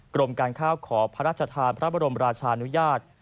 กรมการข้าวขอพระราชทานพระบรมราชานุญาต